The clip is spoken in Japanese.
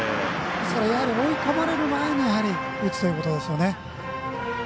ですから追い込まれる前に打つということですね。